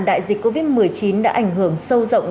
đại dịch covid một mươi chín đã ảnh hưởng sâu rộng